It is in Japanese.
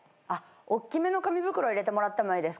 おっきめの紙袋入れてもらってもいいですか？